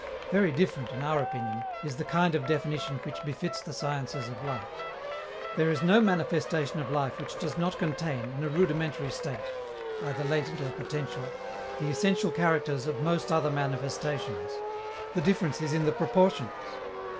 Very different, in our opinion, is the kind of definition which befits the sciences of life. There is no manifestation of life which does not contain, in a rudimentary state either latent or potential, the essential characters of most other manifestations. The difference is in the proportions.